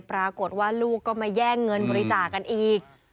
ปรากฏว่าลูกก็มาแย่งเงินบริจาคกันอีก